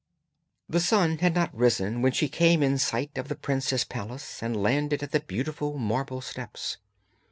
_] The sun had not risen when she came in sight of the prince's palace and landed at the beautiful marble steps.